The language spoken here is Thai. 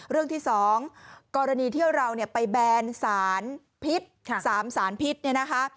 เรื่องที่๒กรณีที่เราไปแบนสารพิษ๓สารพิษเนี่ยนะคะ